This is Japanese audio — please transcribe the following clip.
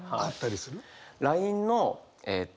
ＬＩＮＥのえっと